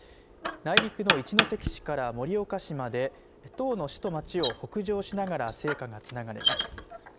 内陸の一関市から盛岡市まで１０の市と町を北上しながら聖火がつながれます。